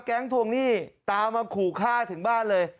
ทวงหนี้ตามมาขู่ฆ่าถึงบ้านเลย